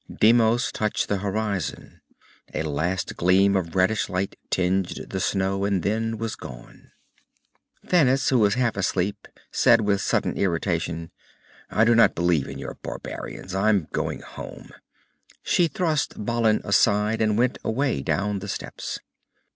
Deimos touched the horizon. A last gleam of reddish light tinged the snow, and then was gone. Thanis, who was half asleep, said with sudden irritation, "I do not believe in your barbarians. I'm going home." She thrust Balin aside and went away, down the steps.